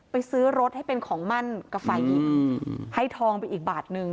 ซื้อรถให้เป็นของมั่นกับฝ่ายหญิงให้ทองไปอีกบาทนึง